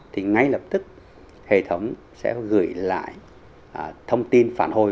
thì ngay lập tức hệ thống sẽ gửi lại thông tin phản hồi